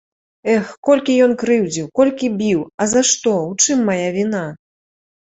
Эх, колькі ён крыўдзіў, колькі біў, а за што, у чым мая віна?